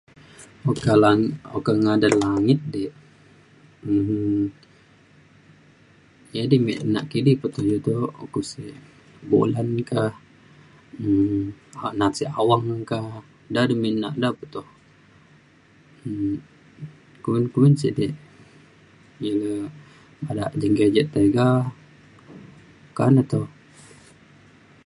oka lan, oka ngadan langit de' um edai mik nak kidi pe to iu to ukuk sek, bolan ka um na'at na'at sek awang ka, ja dek me' nak da pe to. um kumin kumin sek dik, ia le badak je engke je tega meka ne to.